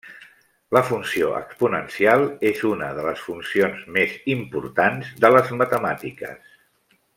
La funció exponencial és una de les funcions més importants de les matemàtiques.